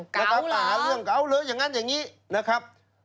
กั๊วเหรอแล้วก็มาหาเรื่องกั๊วเลยอย่างนั้นอย่างนี้นะครับ